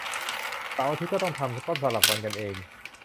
เสาร์อาทิตย์ก็ต้องทำ ก็สลับวันกันเอง